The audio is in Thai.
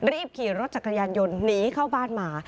ขี่รถจักรยานยนต์หนีเข้าบ้านมา